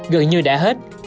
gần như đã hết